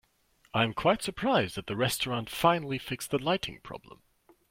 I am quite surprised that the restaurant finally fixed the lighting problem.